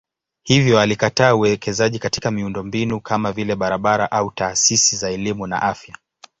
Hivyo alikataa uwekezaji katika miundombinu kama vile barabara au taasisi za elimu na afya.